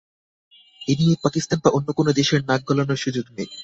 এ নিয়ে পাকিস্তান বা অন্য কোনো দেশের নাক গলানোর সুযোগ নেই।